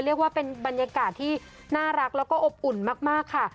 เรียกว่าเป็นบรรยากาศที่น่ารักแล้วก็อบอุ่นมากค่ะ